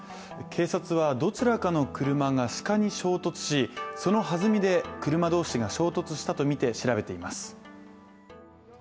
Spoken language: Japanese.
警察はどちらかの車が鹿に衝突しその弾みで車同士が衝突したとみて調べています。